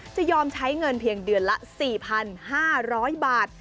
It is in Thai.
จะยอมใช้เงินเพียงเดือนละ๔๕๐๐บาท